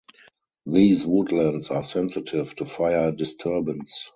These woodlands are sensitive to fire disturbance.